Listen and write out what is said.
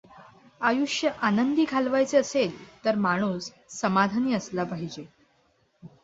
आयुष्य आनंदी घालवायचे असेल तर माणूस समाधानी असला पाहिजे.